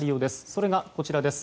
それが、こちらです。